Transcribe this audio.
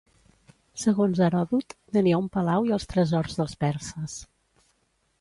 Segons Heròdot, tenia un palau i els tresors dels perses.